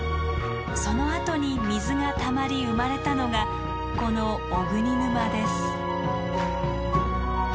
その跡に水がたまり生まれたのがこの雄国沼です。